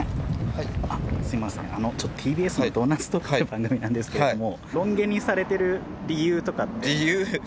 はいすいませんＴＢＳの「ドーナツトーク」って番組なんですけれども理由？